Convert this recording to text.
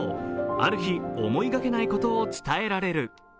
ある日、思いがけないことを伝えられる。